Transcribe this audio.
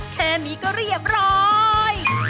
แค่นี้ก็เรียบร้อย